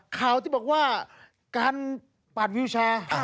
ข่าวที่บอกว่าการปัดวิวแชร์